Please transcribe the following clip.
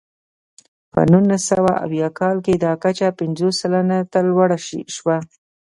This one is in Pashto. په نولس سوه اویا کال کې دا کچه پنځوس سلنې ته لوړه شوه.